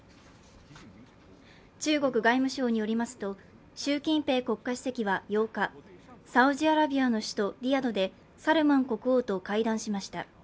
中国外務省によりますと、習近平国家主席は８日、サウジアラビアの首都リヤドでサルマン国王と会談しました。